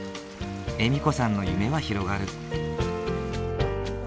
笑子さんの夢は広がる。